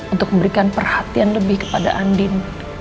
untuk memberikan perhatian lebih kepada andin